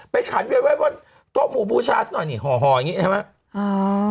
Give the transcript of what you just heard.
ไปขันเววว่าตัวหมู่บูชาซหน่อยห่ออย่างนี้ใช่ไหม